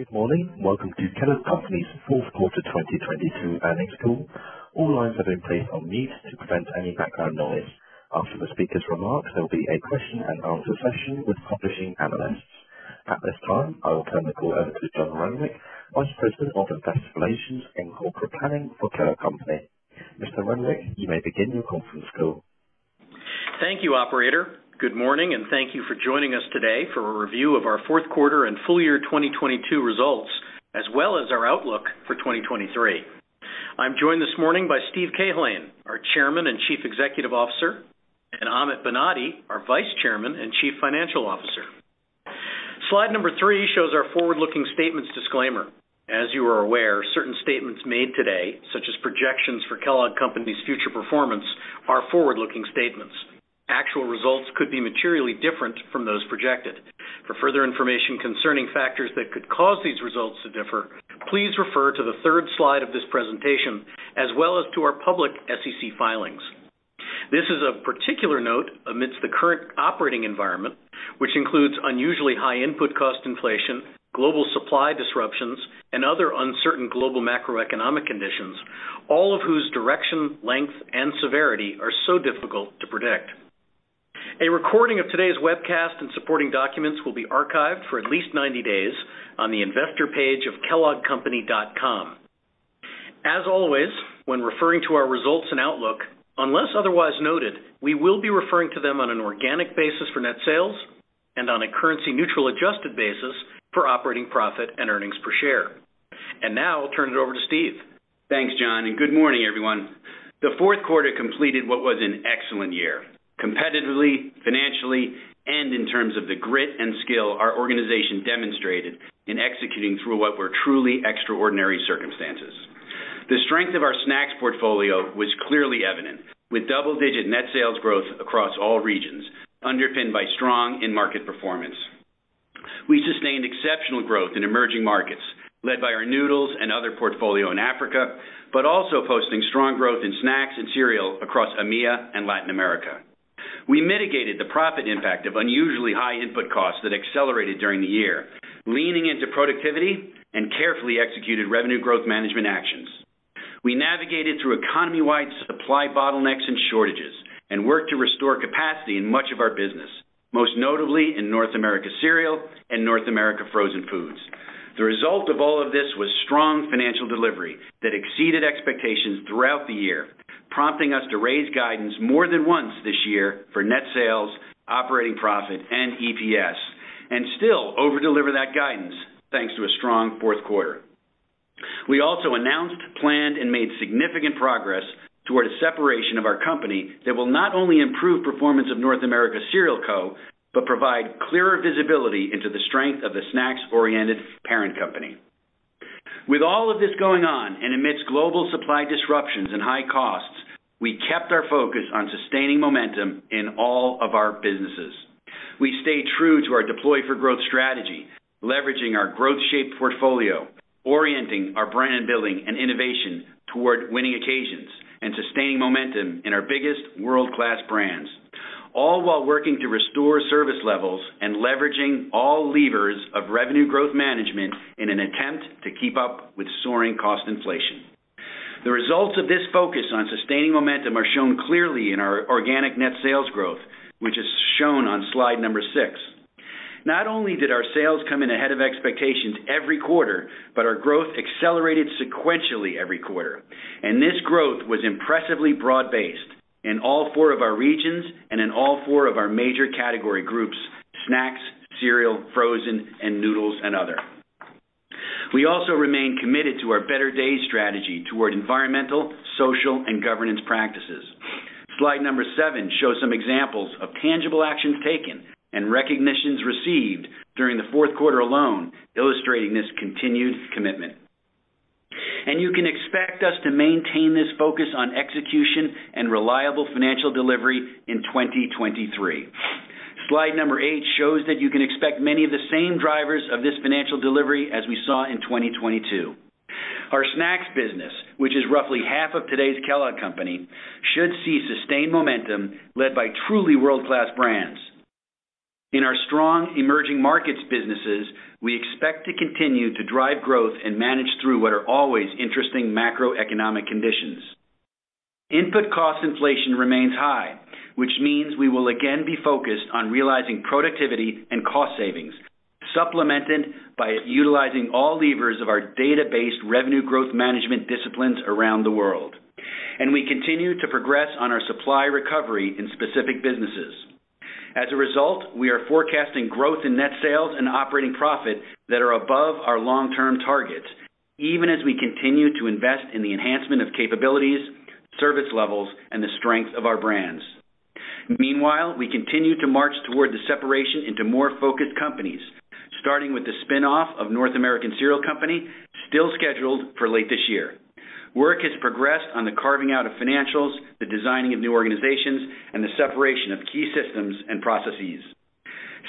Good morning. Welcome to Kellogg Company's Q4 2022 earnings call. All lines have been placed on mute to prevent any background noise. After the speaker's remarks, there'll be a question and answer session with publishing analysts. At this time, I will turn the call over to John Renwick, Vice President of Investor Relations and Corporate Planning for Kellogg Company. Mr. Renwick, you may begin your conference call. Thank you, operator. Good morning, and thank you for joining us today for a review of our Q4 and full year 2022 results, as well as our outlook for 2023. I'm joined this morning by Steve Cahillane, our Chairman and Chief Executive Officer, and Amit Banati, our Vice Chairman and Chief Financial Officer. Slide number three shows our forward-looking statements disclaimer. As you are aware, certain statements made today, such as projections for Kellogg Company's future performance, are forward-looking statements. Actual results could be materially different from those projected. For further information concerning factors that could cause these results to differ, please refer to the third slide of this presentation, as well as to our public SEC filings. This is of particular note amidst the current operating environment, which includes unusually high input cost inflation, global supply disruptions, and other uncertain global macroeconomic conditions, all of whose direction, length, and severity are so difficult to predict. A recording of today's webcast and supporting documents will be archived for at least 90 days on the investor page of kelloggcompany.com. As always, when referring to our results and outlook, unless otherwise noted, we will be referring to them on an organic basis for net sales and on a currency neutral adjusted basis for operating profit and earnings per share. Now I'll turn it over to Steve. Thanks, John, good morning, everyone. The Q4 completed what was an excellent year, competitively, financially, and in terms of the grit and skill our organization demonstrated in executing through what were truly extraordinary circumstances. The strength of our snacks portfolio was clearly evident, with double-digit net sales growth across all regions, underpinned by strong in-market performance. We sustained exceptional growth in emerging markets, led by our noodles and other portfolio in Africa, but also posting strong growth in snacks and cereal across EMEA and Latin America. We mitigated the profit impact of unusually high input costs that accelerated during the year, leaning into productivity and carefully executed revenue growth management actions. We navigated through economy-wide supply bottlenecks and shortages and worked to restore capacity in much of our business, most notably in North America Cereal and North America Frozen Foods. The result of all of this was strong financial delivery that exceeded expectations throughout the year, prompting us to raise guidance more than once this year for net sales, operating profit, and EPS, and still over-deliver that guidance, thanks to a strong Q4. We also announced, planned, and made significant progress toward a separation of our company that will not only improve performance of North America Cereal Co., but provide clearer visibility into the strength of the snacks-oriented parent company. With all of this going on, and amidst global supply disruptions and high costs, we kept our focus on sustaining momentum in all of our businesses. We stayed true to our Deploy For Growth strategy, leveraging our growth shape portfolio, orienting our brand building and innovation toward winning occasions and sustaining momentum in our biggest world-class brands, all while working to restore service levels and leveraging all levers of revenue growth management in an attempt to keep up with soaring cost inflation. The results of this focus on sustaining momentum are shown clearly in our organic net sales growth, which is shown on slide number six. Not only did our sales come in ahead of expectations every quarter, but our growth accelerated sequentially every quarter. This growth was impressively broad-based in all 4 of our regions and in all 4 of our major category groups: snacks, cereal, frozen, and noodles, and other. We also remain committed to our Better Days strategy toward environmental, social, and governance practices. Slide number seven shows some examples of tangible actions taken and recognitions received during the Q4 alone, illustrating this continued commitment. You can expect us to maintain this focus on execution and reliable financial delivery in 2023. Slide number eight shows that you can expect many of the same drivers of this financial delivery as we saw in 2022. Our snacks business, which is roughly half of today's Kellogg Company, should see sustained momentum led by truly world-class brands. In our strong emerging markets businesses, we expect to continue to drive growth and manage through what are always interesting macroeconomic conditions. Input cost inflation remains high, which means we will again be focused on realizing productivity and cost savings, supplemented by utilizing all levers of our database revenue growth management disciplines around the world. We continue to progress on our supply recovery in specific businesses. As a result, we are forecasting growth in net sales and operating profit that are above our long-term targets, even as we continue to invest in the enhancement of capabilities, service levels, and the strength of our brands. Meanwhile, we continue to march toward the separation into more focused companies, starting with the spin-off of North American Cereal Company, still scheduled for late this year. Work has progressed on the carving out of financials, the designing of new organizations, and the separation of key systems and processes.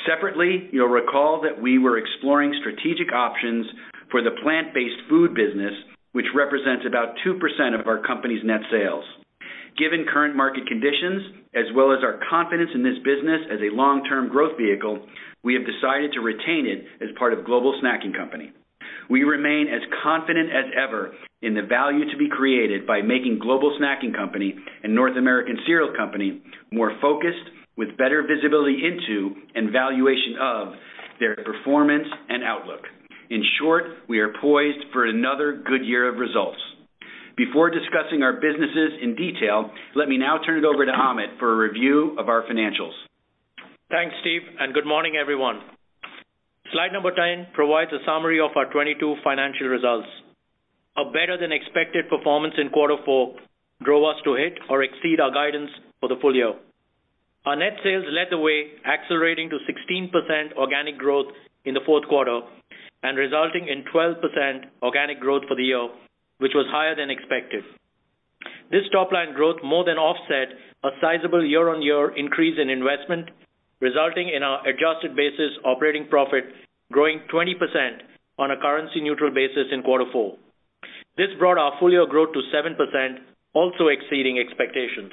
Separately, you'll recall that we were exploring strategic options for the plant-based food business, which represents about 2% of our company's net sales. Given current market conditions as well as our confidence in this business as a long-term growth vehicle, we have decided to retain it as part of Global Snacking Company. We remain as confident as ever in the value to be created by making Global Snacking Company and North American Cereal Company more focused with better visibility into and valuation of their performance and outlook. In short, we are poised for another good year of results. Before discussing our businesses in detail, let me now turn it over to Amit for a review of our financials. Thanks, Steve, and good morning, everyone. Slide number 10 provides a summary of our 2022 financial results. A better-than-expected performance in quarter four drove us to hit or exceed our guidance for the full year. Our net sales led the way, accelerating to 16% organic growth in the Q4 and resulting in 12% organic growth for the year, which was higher than expected. This top line growth more than offset a sizable year-on-year increase in investment, resulting in our adjusted basis operating profit growing 20% on a currency-neutral basis in quarter four. This brought our full year growth to 7%, also exceeding expectations.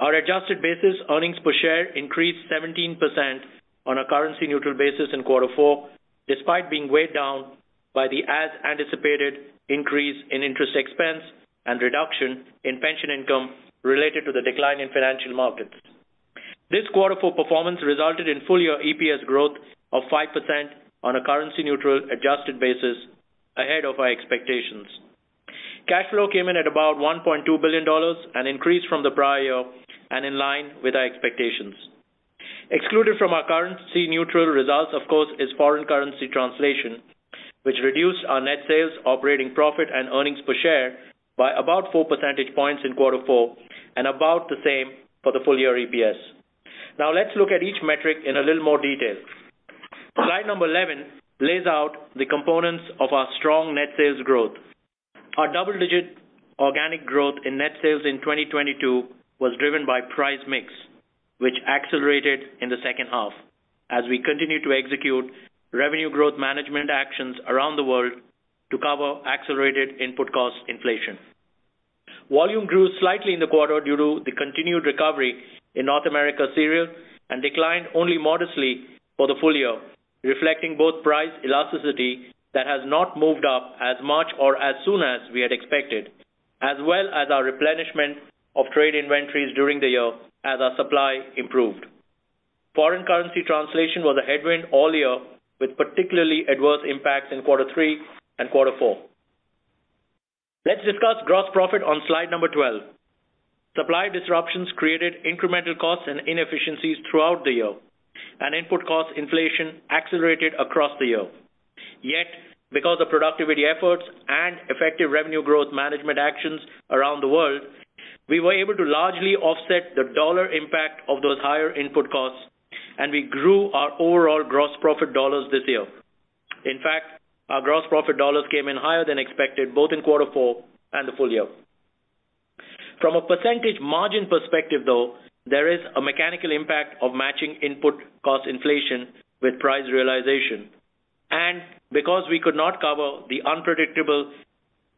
Our adjusted basis earnings per share increased 17% on a currency-neutral basis in quarter four, despite being weighed down by the as-anticipated increase in interest expense and reduction in pension income related to the decline in financial markets. This quarter four performance resulted in full year EPS growth of 5% on a currency-neutral adjusted basis ahead of our expectations. Cash flow came in at about $1.2 billion, an increase from the prior year and in line with our expectations. Excluded from our currency-neutral results, of course, is foreign currency translation, which reduced our net sales, operating profit, and earnings per share by about 4 percentage points in quarter four and about the same for the full year EPS. Let's look at each metric in a little more detail. Slide number 11 lays out the components of our strong net sales growth. Our double-digit organic growth in net sales in 2022 was driven by price mix, which accelerated in the second half as we continued to execute revenue growth management actions around the world to cover accelerated input cost inflation. Volume grew slightly in the quarter due to the continued recovery in North America Cereal and declined only modestly for the full year, reflecting both price elasticity that has not moved up as much or as soon as we had expected, as well as our replenishment of trade inventories during the year as our supply improved. Foreign currency translation was a headwind all year, with particularly adverse impacts in quarter three and quarter four. Let's discuss gross profit on slide number 12. Supply disruptions created incremental costs and inefficiencies throughout the year, input cost inflation accelerated across the year. Because of productivity efforts and effective revenue growth management actions around the world, we were able to largely offset the dollar impact of those higher input costs, and we grew our overall gross profit dollars this year. In fact, our gross profit dollars came in higher than expected, both in quarter four and the full year. From a percentage margin perspective, though, there is a mechanical impact of matching input cost inflation with price realization and because we could not cover the unpredictable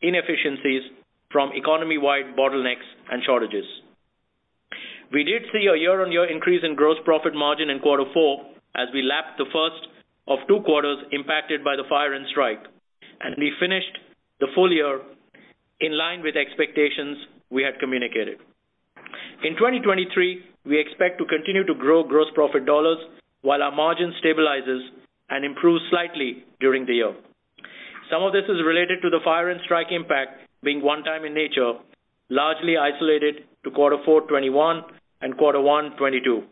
inefficiencies from economy-wide bottlenecks and shortages. We did see a year-on-year increase in gross profit margin in quarter four as we lapped the first of two quarters impacted by the fire and strike, and we finished the full year in line with expectations we had communicated. In 2023, we expect to continue to grow gross profit dollars while our margin stabilizes and improves slightly during the year. Some of this is related to the fire and strike impact being one time in nature, largely isolated to Q4 2021 and Q1 2022.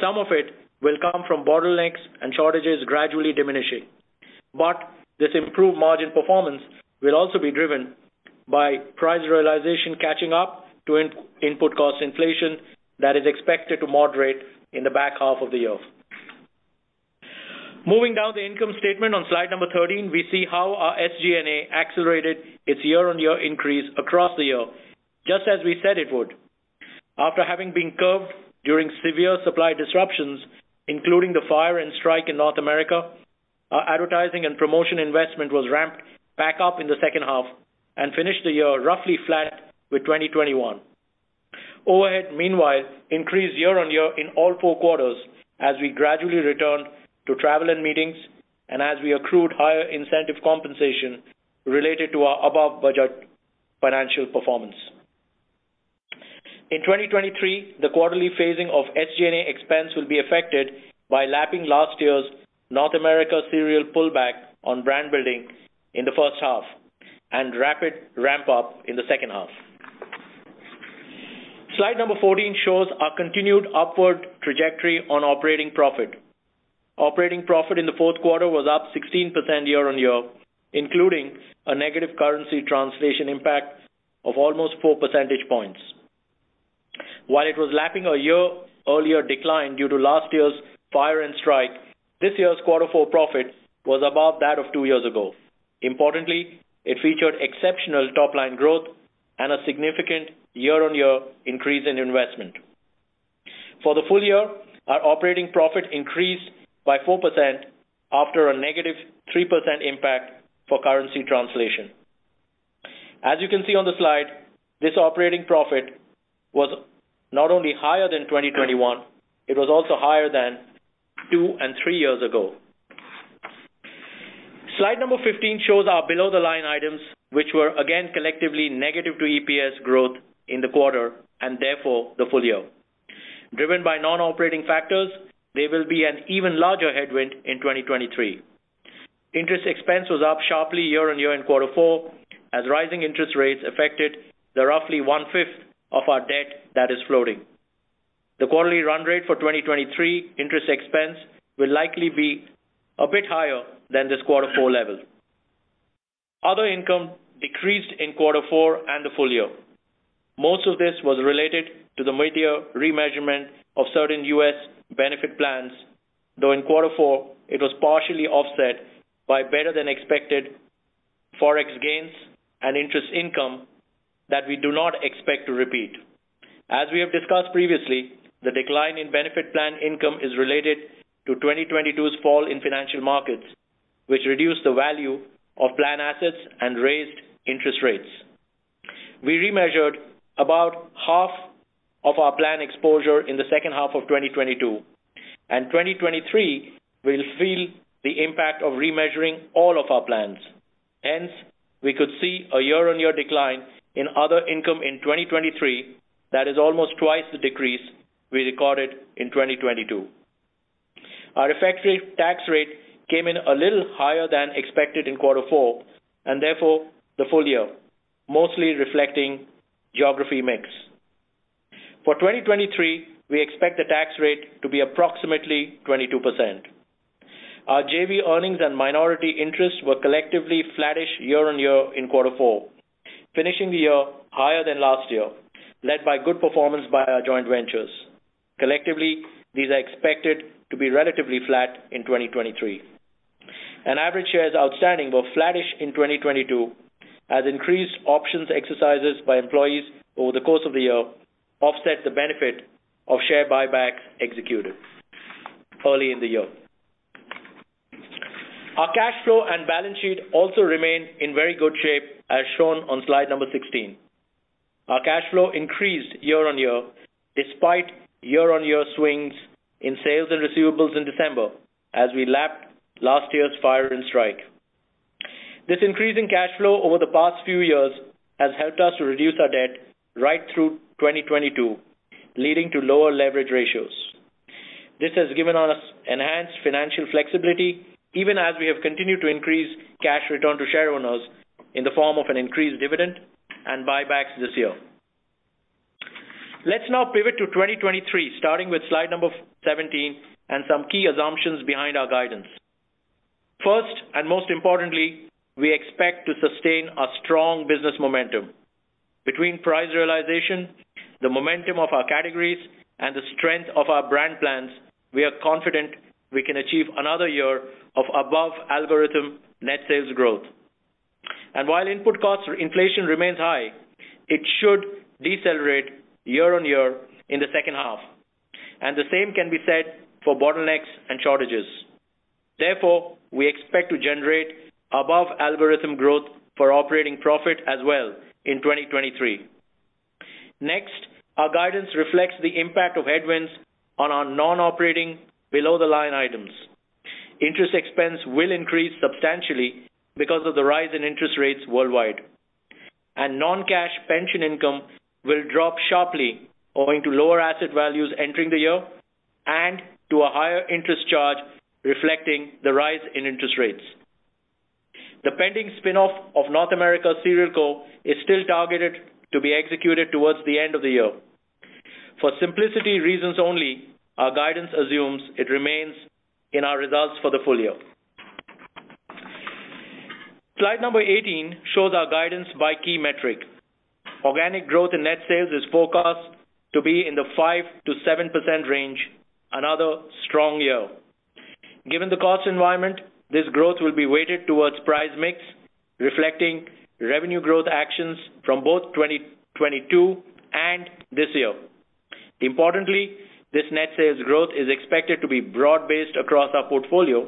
Some of it will come from bottlenecks and shortages gradually diminishing. This improved margin performance will also be driven by price realization catching up to input cost inflation that is expected to moderate in the back half of the year. Moving down the income statement on slide number 13, we see how our SG&A accelerated its year-on-year increase across the year, just as we said it would. After having been curbed during severe supply disruptions, including the fire and strike in North America, our advertising and promotion investment was ramped back up in the second half and finished the year roughly flat with 2021. Overhead, meanwhile, increased year-on-year in all four quarters as we gradually returned to travel and meetings and as we accrued higher incentive compensation related to our above-budget financial performance. In 2023, the quarterly phasing of SG&A expense will be affected by lapping last year's North America Cereal pullback on brand building in the first half and rapid ramp up in the second half. Slide number 14 shows our continued upward trajectory on operating profit. Operating profit in the Q4 was up 16% year-on-year, including a negative currency translation impact of almost 4 percentage points. While it was lapping a year earlier decline due to last year's fire and strike, this year's quarter four profit was above that of two years ago. Importantly, it featured exceptional top-line growth and a significant year-on-year increase in investment. For the full year, our operating profit increased by 4% after a -3% impact for currency translation. As you can see on the slide, this operating profit was not only higher than 2021, it was also higher than two and three years ago. Slide number 15 shows our below-the-line items, which were again collectively negative to EPS growth in the quarter and therefore the full year. Driven by non-operating factors, they will be an even larger headwind in 2023. Interest expense was up sharply year-on-year in quarter four as rising interest rates affected the roughly one-fifth of our debt that is floating. The quarterly run rate for 2023 interest expense will likely be a bit higher than this quarter four level. Other income decreased in quarter four and the full year. Most of this was related to the material remeasurement of certain U.S. benefit plans, though in quarter four it was partially offset by better than expected Forex gains and interest income that we do not expect to repeat. As we have discussed previously, the decline in benefit plan income is related to 2022's fall in financial markets, which reduced the value of plan assets and raised interest rates. We remeasured about half of our plan exposure in the second half of 2022, and 2023 will feel the impact of remeasuring all of our plans. Hence, we could see a year-on-year decline in other income in 2023 that is almost twice the decrease we recorded in 2022. Our effective tax rate came in a little higher than expected in quarter four and therefore the full year, mostly reflecting geography mix. For 2023, we expect the tax rate to be approximately 22%. Our JV earnings and minority interests were collectively flattish year-over-year in quarter four, finishing the year higher than last year, led by good performance by our joint ventures. Collectively, these are expected to be relatively flat in 2023. Average shares outstanding were flattish in 2022 as increased options exercises by employees over the course of the year offset the benefit of share buybacks executed early in the year. Our cash flow and balance sheet also remained in very good shape as shown on slide number 16. Our cash flow increased year-over-year despite year-over-year swings in sales and receivables in December as we lapped last year's fire and strike. This increase in cash flow over the past few years has helped us to reduce our debt right through 2022, leading to lower leverage ratios. This has given us enhanced financial flexibility even as we have continued to increase cash return to shareowners in the form of an increased dividend and buybacks this year. Let's now pivot to 2023, starting with slide number 17 and some key assumptions behind our guidance. First, most importantly, we expect to sustain our strong business momentum. Between price realization, the momentum of our categories, and the strength of our brand plans, we are confident we can achieve another year of above algorithm net sales growth. While input costs or inflation remains high, it should decelerate year-over-year in the second half, and the same can be said for bottlenecks and shortages. Therefore, we expect to generate above algorithm growth for operating profit as well in 2023. Next, our guidance reflects the impact of headwinds on our non-operating below-the-line items. Interest expense will increase substantially because of the rise in interest rates worldwide. Non-cash pension income will drop sharply owing to lower asset values entering the year and to a higher interest charge reflecting the rise in interest rates. The pending spin-off of North America Cereal Co. is still targeted to be executed towards the end of the year. For simplicity reasons only, our guidance assumes it remains in our results for the full year. Slide number 18 shows our guidance by key metric. Organic growth in net sales is forecast to be in the 5%-7% range, another strong year. Given the cost environment, this growth will be weighted towards price mix, reflecting revenue growth actions from both 2022 and this year. Importantly, this net sales growth is expected to be broad-based across our portfolio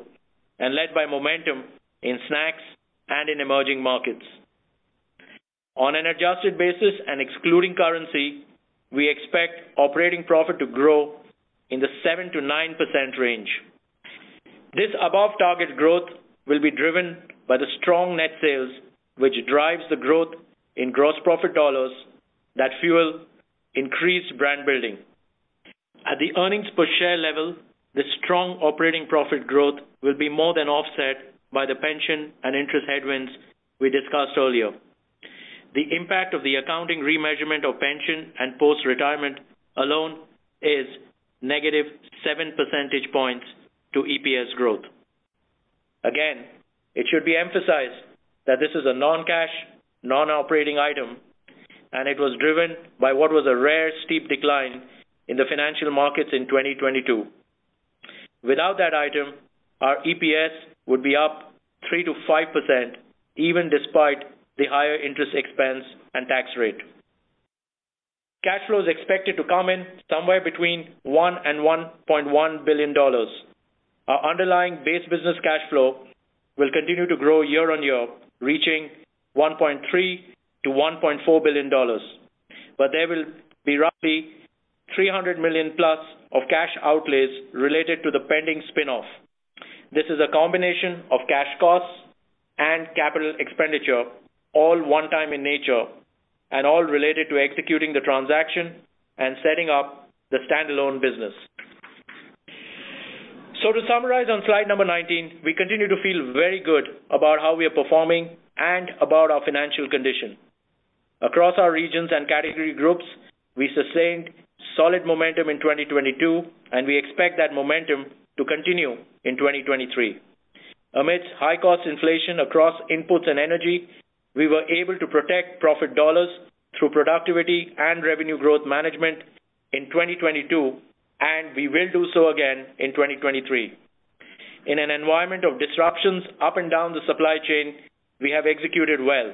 and led by momentum in snacks and in emerging markets. On an adjusted basis and excluding currency, we expect operating profit to grow in the 7%-9% range. This above-target growth will be driven by the strong net sales, which drives the growth in gross profit dollars that fuel increased brand building. At the earnings per share level, the strong operating profit growth will be more than offset by the pension and interest headwinds we discussed earlier. The impact of the accounting remeasurement of pension and post-retirement alone is 7 percentage points to EPS growth. It should be emphasized that this is a non-cash, non-operating item, and it was driven by what was a rare steep decline in the financial markets in 2022. Without that item, our EPS would be up 3%-5%, even despite the higher interest expense and tax rate. Cash flow is expected to come in somewhere between $1 billion-$1.1 billion. Our underlying base business cash flow will continue to grow year on year, reaching $1.3 billion-$1.4 billion, but there will be roughly $300 million of cash outlays related to the pending spin-off. This is a combination of cash costs and CapEx, all one time in nature, and all related to executing the transaction and setting up the standalone business. To summarize on slide number 19, we continue to feel very good about how we are performing and about our financial condition. Across our regions and category groups, we sustained solid momentum in 2022, and we expect that momentum to continue in 2023. Amidst high cost inflation across inputs and energy, we were able to protect profit dollars through productivity and revenue growth management in 2022, and we will do so again in 2023. In an environment of disruptions up and down the supply chain, we have executed well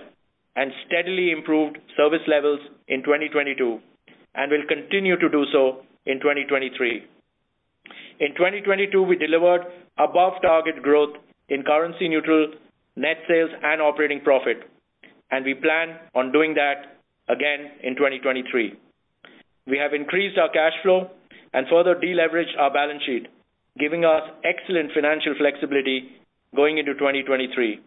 and steadily improved service levels in 2022 and will continue to do so in 2023. In 2022, we delivered above target growth in currency neutral net sales and operating profit, and we plan on doing that again in 2023. We have increased our cash flow and further deleveraged our balance sheet, giving us excellent financial flexibility going into 2023.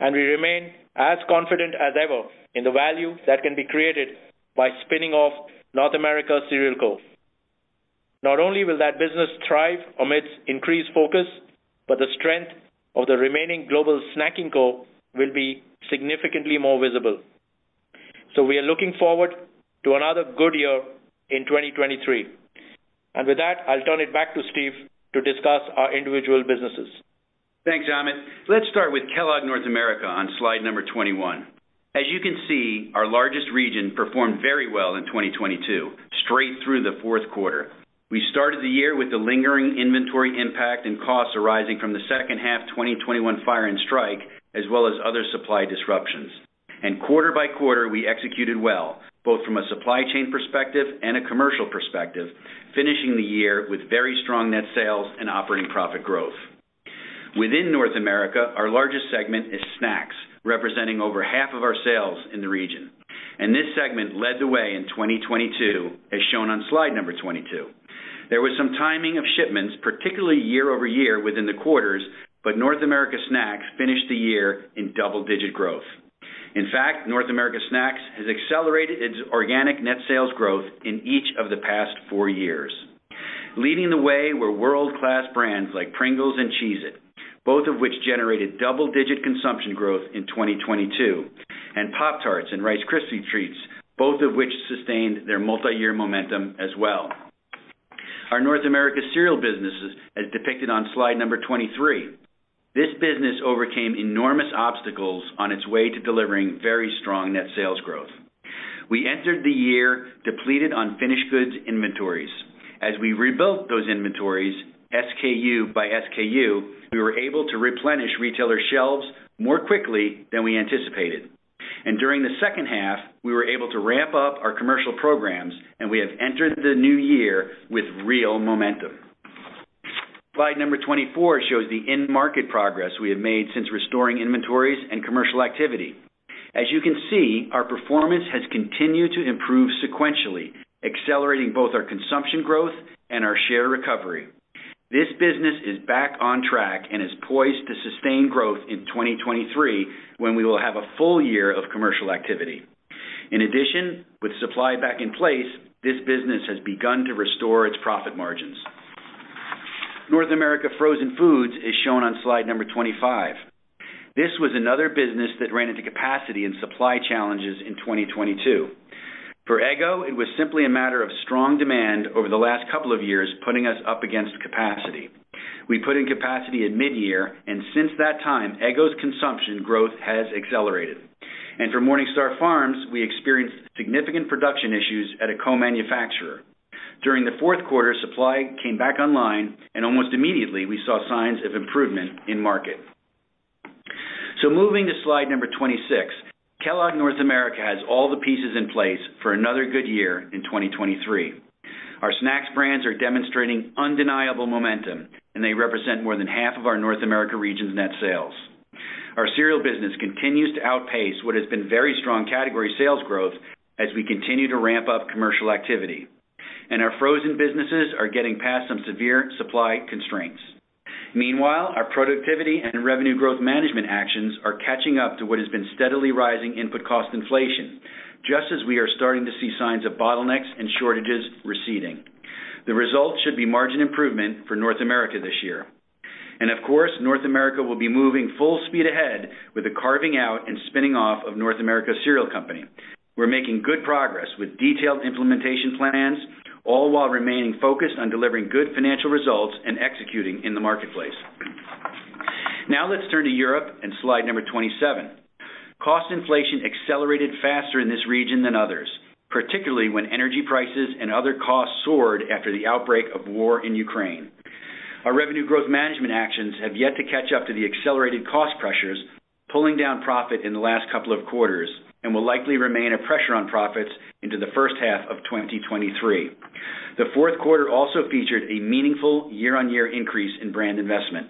We remain as confident as ever in the value that can be created by spinning off North America Cereal Co. Not only will that business thrive amidst increased focus, but the strength of the remaining Global Snacking Co. will be significantly more visible. We are looking forward to another good year in 2023. With that, I'll turn it back to Steve to discuss our individual businesses. Thanks, Amit. Let's start with Kellogg North America on slide number 21. As you can see, our largest region performed very well in 2022 straight through the Q4. We started the year with the lingering inventory impact and costs arising from the second half 2021 fire and strike, as well as other supply disruptions. Quarter by quarter, we executed well, both from a supply chain perspective and a commercial perspective, finishing the year with very strong net sales and operating profit growth. Within North America, our largest segment is snacks, representing over half of our sales in the region, and this segment led the way in 2022, as shown on slide number 22. There was some timing of shipments, particularly year-over-year within the quarters, North America snacks finished the year in double-digit growth. In fact, North America Snacks has accelerated its organic net sales growth in each of the past four years. Leading the way were world-class brands like Pringles and Cheez-It, both of which generated double-digit consumption growth in 2022, and Pop-Tarts and Rice Krispies Treats, both of which sustained their multiyear momentum as well. Our North America cereal businesses as depicted on slide number 23. This business overcame enormous obstacles on its way to delivering very strong net sales growth. We entered the year depleted on finished goods inventories. As we rebuilt those inventories SKU by SKU, we were able to replenish retailer shelves more quickly than we anticipated. During the second half, we were able to ramp up our commercial programs, and we have entered the new year with real momentum. Slide number 24 shows the end market progress we have made since restoring inventories and commercial activity. As you can see, our performance has continued to improve sequentially, accelerating both our consumption growth and our share recovery. This business is back on track and is poised to sustain growth in 2023, when we will have a full year of commercial activity. With supply back in place, this business has begun to restore its profit margins. North America Frozen Foods is shown on slide number 25. This was another business that ran into capacity and supply challenges in 2022. For Eggo, it was simply a matter of strong demand over the last couple of years, putting us up against capacity. We put in capacity at midyear, Since that time, Eggo's consumption growth has accelerated. For Morningstar Farms, we experienced significant production issues at a co-manufacturer. During the Q4, supply came back online and almost immediately we saw signs of improvement in market. Moving to slide number 26, Kellogg North America has all the pieces in place for another good year in 2023. Our snacks brands are demonstrating undeniable momentum, and they represent more than half of our North America region's net sales. Our cereal business continues to outpace what has been very strong category sales growth as we continue to ramp up commercial activity, and our frozen businesses are getting past some severe supply constraints. Our productivity and revenue growth management actions are catching up to what has been steadily rising input cost inflation, just as we are starting to see signs of bottlenecks and shortages receding. The result should be margin improvement for North America this year. North America will be moving full speed ahead with the carving out and spinning off of North America Cereal Company. We're making good progress with detailed implementation plans, all while remaining focused on delivering good financial results and executing in the marketplace. Let's turn to Europe and slide number 27. Cost inflation accelerated faster in this region than others, particularly when energy prices and other costs soared after the outbreak of war in Ukraine. Our revenue growth management actions have yet to catch up to the accelerated cost pressures, pulling down profit in the last couple of quarters, and will likely remain a pressure on profits into the first half of 2023. The Q4 also featured a meaningful year-on-year increase in brand investment.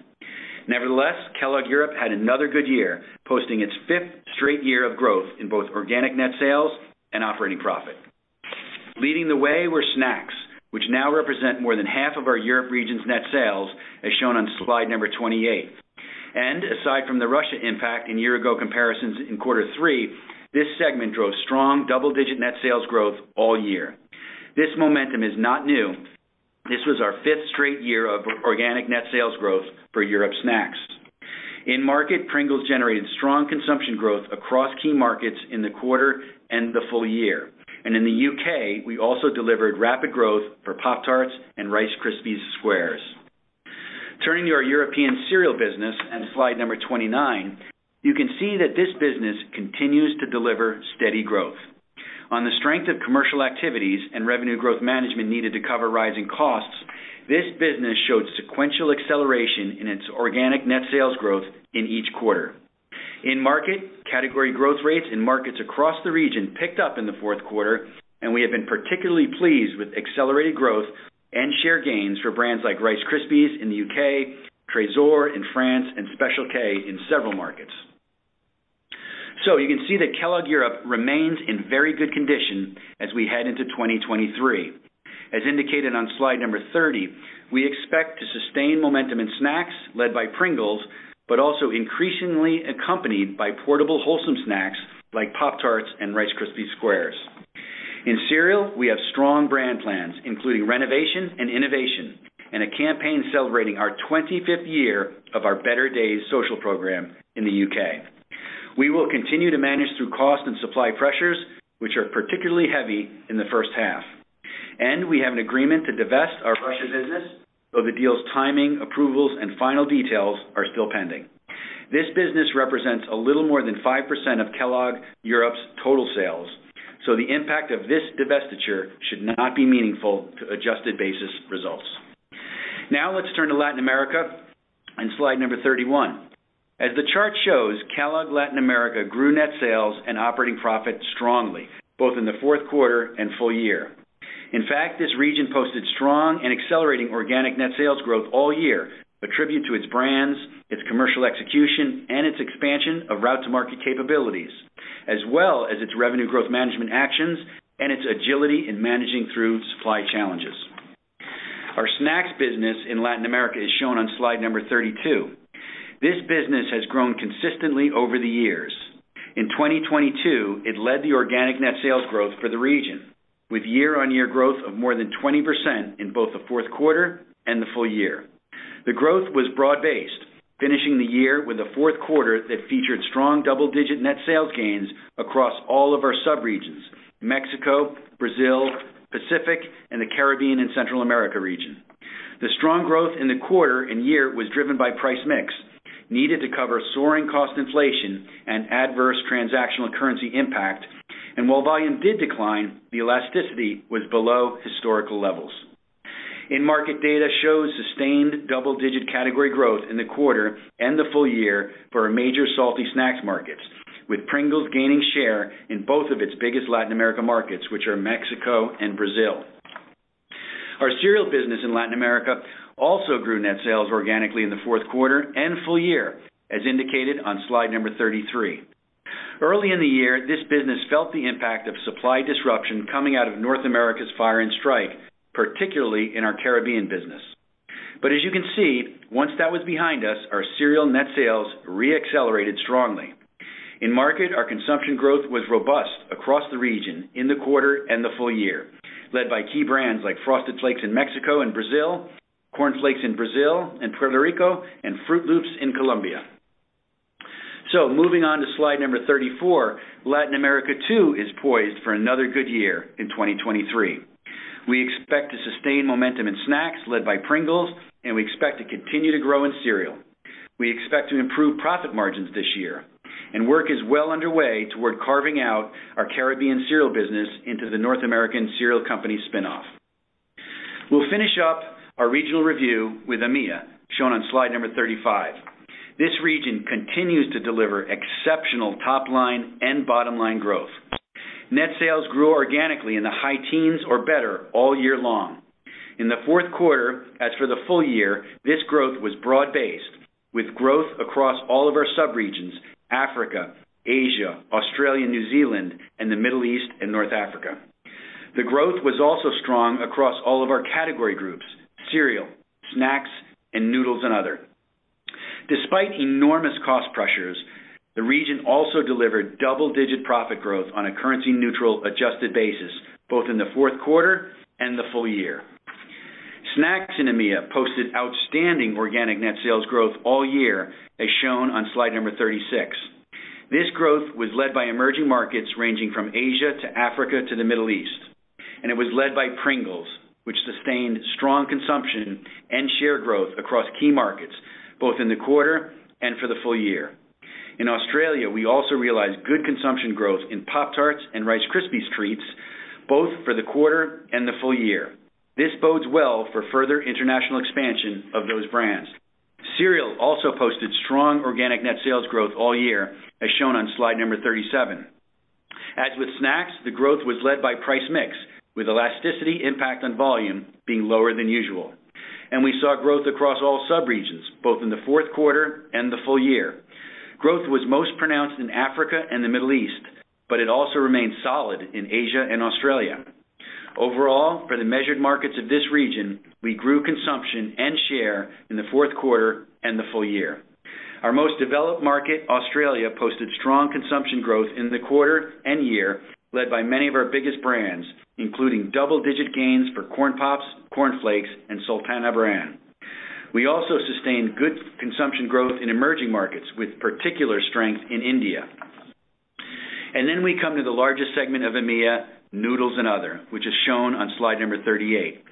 Kellogg Europe had another good year, posting its fifth straight year of growth in both organic net sales and operating profit. Leading the way were snacks, which now represent more than half of our Europe region's net sales, as shown on slide number 28. Aside from the Russia impact in year-ago comparisons in quarter three, this segment drove strong double-digit net sales growth all year. This momentum is not new. This was our fifth straight year of organic net sales growth for Europe snacks. In market, Pringles generated strong consumption growth across key markets in the quarter and the full year. In the U.K., we also delivered rapid growth for Pop-Tarts and Rice Krispies Squares. Turning to our European cereal business on slide number 29, you can see that this business continues to deliver steady growth. On the strength of commercial activities and revenue growth management needed to cover rising costs, this business showed sequential acceleration in its organic net sales growth in each quarter. In market, category growth rates in markets across the region picked up in the Q4. We have been particularly pleased with accelerated growth and share gains for brands like Rice Krispies in the U.K., Trésor in France, and Special K in several markets. You can see that Kellogg Europe remains in very good condition as we head into 2023. As indicated on slide number 30, we expect to sustain momentum in snacks led by Pringles, but also increasingly accompanied by portable wholesome snacks like Pop-Tarts and Rice Krispies Squares. In cereal, we have strong brand plans, including renovation and innovation, and a campaign celebrating our 25th year of our Better Days social program in the U.K. We will continue to manage through cost and supply pressures, which are particularly heavy in the first half. We have an agreement to divest our Russia business, so the deal's timing, approvals, and final details are still pending. This business represents a little more than 5% of Kellogg Europe's total sales, so the impact of this divestiture should not be meaningful to adjusted basis results. Now let's turn to Latin America on slide number 31. As the chart shows, Kellogg Latin America grew net sales and operating profit strongly, both in the Q4 and full year. In fact, this region posted strong and accelerating organic net sales growth all year, a tribute to its brands, its commercial execution, and its expansion of route to market capabilities, as well as its revenue growth management actions and its agility in managing through supply challenges. Our snacks business in Latin America is shown on slide number 32. This business has grown consistently over the years. In 2022, it led the organic net sales growth for the region with year-on-year growth of more than 20% in both the Q4 and the full year. The growth was broad-based, finishing the year with a Q4 that featured strong double-digit net sales gains across all of our subregions, Mexico, Brazil, Pacific, and the Caribbean and Central America region. The strong growth in the quarter and year was driven by price mix, needed to cover soaring cost inflation and adverse transactional currency impact. While volume did decline, the elasticity was below historical levels. In market data shows sustained double-digit category growth in the quarter and the full year for our major salty snacks markets, with Pringles gaining share in both of its biggest Latin America markets, which are Mexico and Brazil. Our cereal business in Latin America also grew net sales organically in the Q4 and full year, as indicated on slide number 33. Early in the year, this business felt the impact of supply disruption coming out of North America's fire and strike, particularly in our Caribbean business. As you can see, once that was behind us, our cereal net sales re-accelerated strongly. In market, our consumption growth was robust across the region in the quarter and the full year, led by key brands like Frosted Flakes in Mexico and Brazil, Corn Flakes in Brazil and Puerto Rico, and Froot Loops in Colombia. Moving on to slide number 34, Latin America too is poised for another good year in 2023. We expect to sustain momentum in snacks led by Pringles, and we expect to continue to grow in cereal. We expect to improve profit margins this year, and work is well underway toward carving out our Caribbean cereal business into the North America Cereal Co. spin-off. We'll finish up our regional review with EMEA, shown on slide number 35. This region continues to deliver exceptional top line and bottom line growth. Net sales grew organically in the high teens or better all year long. In the Q4, as for the full year, this growth was broad-based, with growth across all of our subregions, Africa, Asia, Australia, New Zealand, and the Middle East and North Africa. The growth was also strong across all of our category groups, cereal, snacks, and noodles and other. Despite enormous cost pressures, the region also delivered double-digit profit growth on a currency neutral adjusted basis, both in the Q4 and the full year. Snacks in EMEA posted outstanding organic net sales growth all year, as shown on slide number 36. It was led by emerging markets ranging from Asia to Africa to the Middle East, and it was led by Pringles, which sustained strong consumption and share growth across key markets, both in the quarter and for the full year. In Australia, we also realized good consumption growth in Pop-Tarts and Rice Krispies Treats, both for the quarter and the full year. This bodes well for further international expansion of those brands. Cereal also posted strong organic net sales growth all year, as shown on slide number 37. As with snacks, the growth was led by price mix, with elasticity impact on volume being lower than usual. We saw growth across all subregions, both in the Q4 and the full year. Growth was most pronounced in Africa and the Middle East, but it also remained solid in Asia and Australia. Overall, for the measured markets of this region, we grew consumption and share in the Q4 and the full year. Our most developed market, Australia, posted strong consumption growth in the quarter and year, led by many of our biggest brands, including double digit gains for Corn Pops, Corn Flakes and Sultana Bran. We also sustained good consumption growth in emerging markets, with particular strength in India. We come to the largest segment of EMEA, Noodles and Other, which is shown on slide number 38.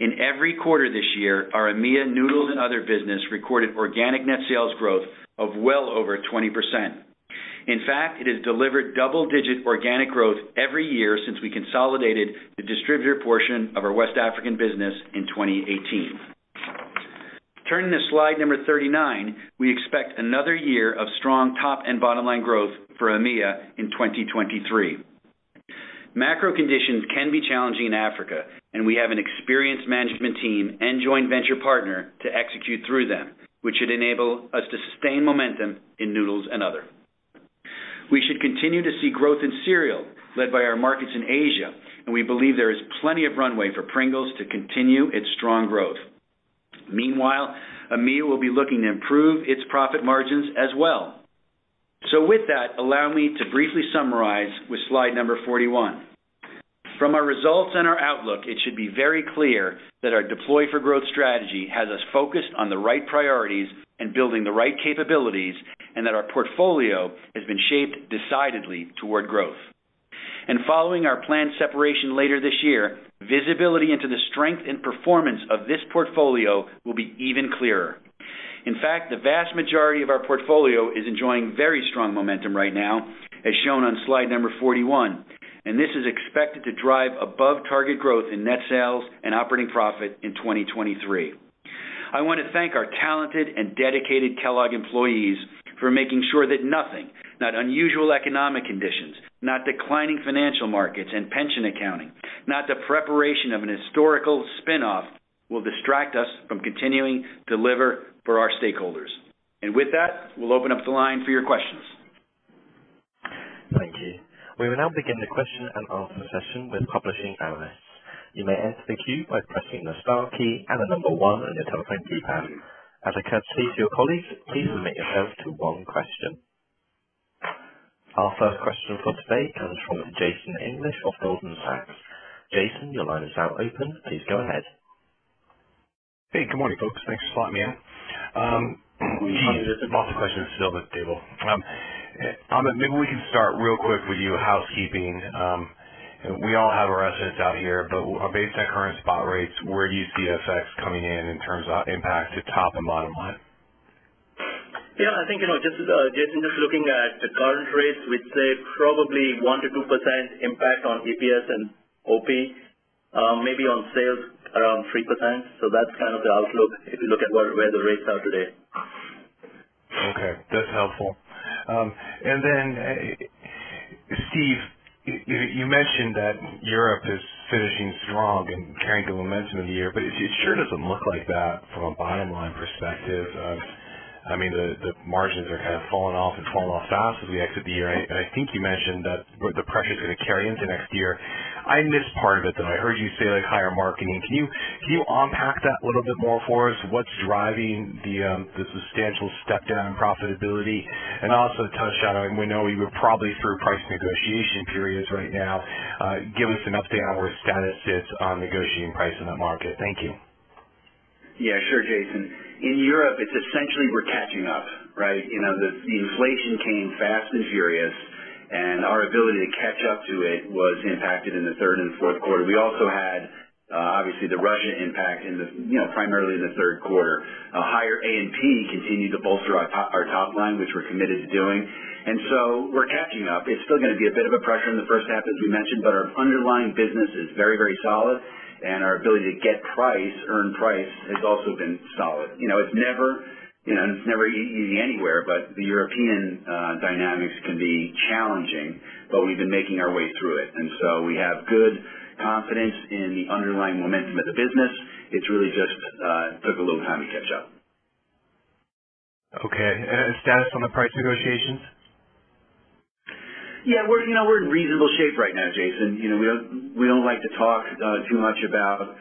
In every quarter this year, our EMEA Noodles and Other business recorded organic net sales growth of well over 20%. In fact, it has delivered double digit organic growth every year since we consolidated the distributor portion of our West African business in 2018. Turning to slide number 39, we expect another year of strong top and bottom line growth for EMEA in 2023. Macro conditions can be challenging in Africa, and we have an experienced management team and joint venture partner to execute through them, which should enable us to sustain momentum in Noodles and Other. We should continue to see growth in cereal led by our markets in Asia, and we believe there is plenty of runway for Pringles to continue its strong growth. Meanwhile, EMEA will be looking to improve its profit margins as well. With that, allow me to briefly summarize with slide number 41. From our results and our outlook, it should be very clear that our Deploy For Growth strategy has us focused on the right priorities and building the right capabilities, and that our portfolio has been shaped decidedly toward growth. Following our planned separation later this year, visibility into the strength and performance of this portfolio will be even clearer. In fact, the vast majority of our portfolio is enjoying very strong momentum right now, as shown on slide number 41, and this is expected to drive above target growth in net sales and operating profit in 2023. I want to thank our talented and dedicated Kellogg employees for making sure that nothing, not unusual economic conditions, not declining financial markets and pension accounting, not the preparation of an historical spin-off will distract us from continuing to deliver for our stakeholders. With that, we'll open up the line for your questions. Thank you. We will now begin the question and answer session with publishing analysts. You may enter the queue by pressing the star key and the number one on your telephone keypad. As a courtesy to your colleagues, please limit yourself to one question. Our first question for today comes from Jason English of Goldman Sachs. Jason, your line is now open. Please go ahead. Hey, good morning, folks. Thanks for slotting me in. There's lots of questions to fill this table. Amit, maybe we can start real quick with you, housekeeping. We all have our assets out here, but based on current spot rates, where do you see FX coming in terms of impact to top and bottom line? Yeah, I think, you know, just, Jason, just looking at the current rates, we'd say probably 1%-2% impact on EPS and OP, maybe on sales around 3%. That's kind of the outlook if you look at where the rates are today. Okay, that's helpful. Steve, you mentioned that Europe is finishing strong and carrying the momentum of the year, but it sure doesn't look like that from a bottom-line perspective. I mean, the margins are kind of falling off and falling off fast as we exit the year. I think you mentioned that the pressure is gonna carry into next year. I missed part of it, though. I heard you say, like, higher marketing. Can you, can you unpack that a little bit more for us? What's driving the substantial step down in profitability? Also touch on, we know you were probably through price negotiation periods right now. Give us an update on where status sits on negotiating price in that market. Thank you. Yeah, sure, Jason. In Europe, it's essentially we're catching up, right? You know, the inflation came fast and furious, and our ability to catch up to it was impacted in the third and Q4. We also had obviously the Russia impact in the, you know, primarily in the Q3. A higher A&P continued to bolster our top line, which we're committed to doing, and so we're catching up. It's still gonna be a bit of a pressure in the first half, as we mentioned, but our underlying business is very, very solid, and our ability to get price, earn price, has also been solid. You know, it's never, you know, it's never easy anywhere, but the European dynamics can be challenging, but we've been making our way through it. We have good confidence in the underlying momentum of the business. It's really just, took a little time to catch up. Okay. Status on the price negotiations? Yeah, we're, you know, we're in reasonable shape right now, Jason. You know, we don't, we don't like to talk too much about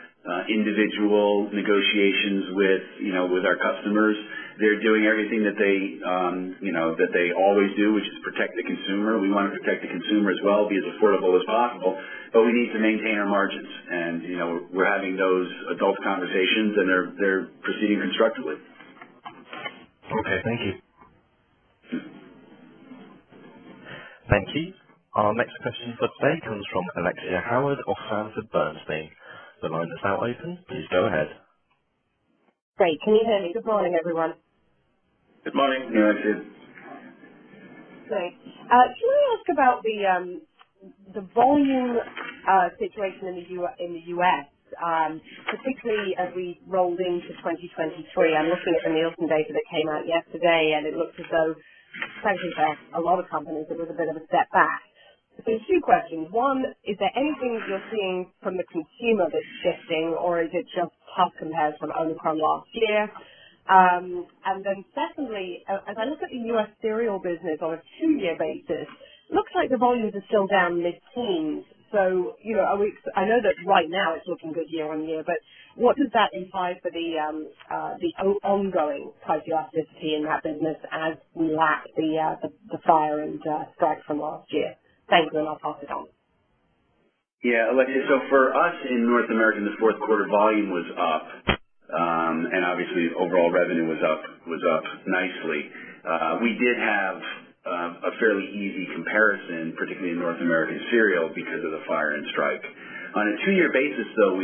individual negotiations with, you know, with our customers. They're doing everything that they, you know, that they always do, which is protect the consumer. We wanna protect the consumer as well, be as affordable as possible, but we need to maintain our margins. You know, we're having those adult conversations and they're proceeding constructively. Okay, thank you. Thank you. Our next question for today comes from Alexia Howard of Sanford Bernstein. The line is now open. Please go ahead. Great. Can you hear me? Good morning, everyone. Good morning. Good morning. Great. Can I ask about the volume situation in the U.S., particularly as we rolled into 2023? I'm looking at the Nielsen data that came out yesterday, and it looks as though, thankfully for a lot of companies, it was a bit of a step back. two questions. 1, is there anything you're seeing from the consumer that's shifting or is it just tough compares from Omicron last year? Secondly, as I look at the U.S. cereal business on a two-year basis, looks like the volumes are still down mid-teens. You know, I know that right now it's looking good year-over-year, but what does that imply for the ongoing price elasticity in that business as we lap the fire and strike from last year? Thanks. I'll pass it on. Alexia, for us in North America, this Q4 volume was up. Obviously overall revenue was up nicely. We did have a fairly easy comparison, particularly in North America Cereal because of the fire and strike. On a two-year basis, though,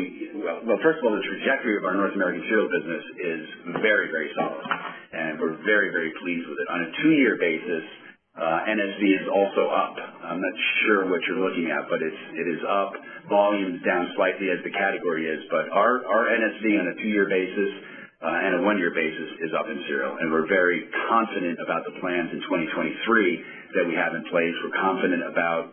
well, first of all, the trajectory of our North America Cereal business is very, very solid, and we're very, very pleased with it. On a two-year basis, NSV is also up. I'm not sure what you're looking at, it is up. Volume is down slightly as the category is, our NSV on a two-year basis and a one-year basis is up in cereal and we're very confident about the plans in 2023 that we have in place. We're confident about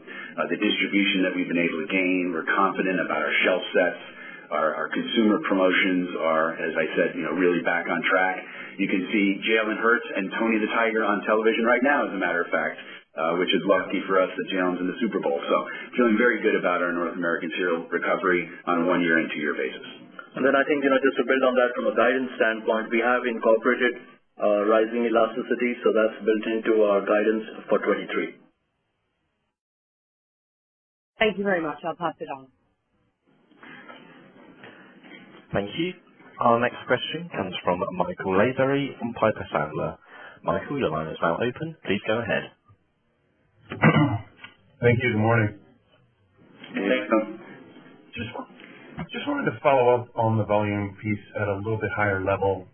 the distribution that we've been able to gain. We're confident about our shelf sets. Our consumer promotions are, as I said, you know, really back on track. You can see Jalen Hurts and Tony the Tiger on television right now, as a matter of fact, which is lucky for us that Jalen's in the Super Bowl. Feeling very good about our North America Cereal recovery on a one-year and two-year basis. I think, you know, just to build on that from a guidance standpoint, we have incorporated rising elasticity, so that's built into our guidance for 2023. Thank you very much. I'll pass it on. Thank you. Our next question comes from Michael Lavery from Piper Sandler. Michael, the line is now open. Please go ahead. Thank you. Good morning. Hey, Michael. Just wanted to follow up on the volume piece at a little bit higher level.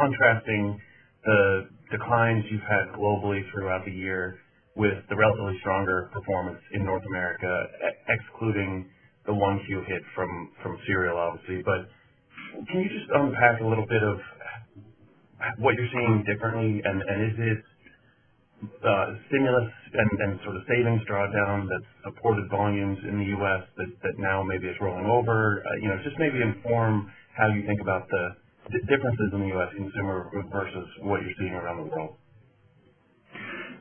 Contrasting the declines you've had globally throughout the year with the relatively stronger performance in North America, excluding the 1Q hit from cereal, obviously. Can you just unpack a little bit of what you're seeing differently? Is it stimulus and sort of savings drawdown that supported volumes in the U.S. that now maybe is rolling over? You know, just maybe inform how you think about the differences in the U.S. consumer versus what you're seeing around the world.